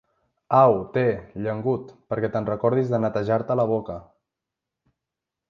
Au, té, llengut, perquè te'n recordis de netejar-te la boca!